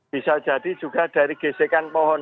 bisa jadi juga dari gesekan pohon